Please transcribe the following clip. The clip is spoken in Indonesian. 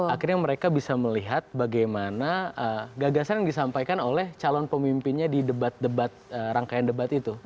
akhirnya mereka bisa melihat bagaimana gagasan yang disampaikan oleh calon pemimpinnya di debat debat rangkaian debat itu